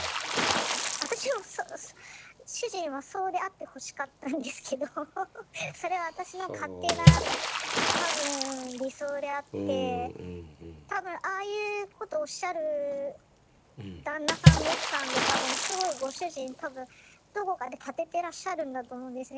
私も主人はそうであってほしかったんですけどそれは私の勝手な多分理想であって多分ああいうことをおっしゃる旦那さんの奥さんって多分すごい御主人多分どこかで立ててらっしゃるんだと思うんですね。